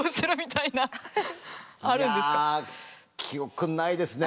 いや記憶にないですね。